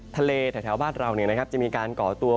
ทะเลถ้าแถวบ้านเราเนี่ยนะครับจะมีการก่อตัว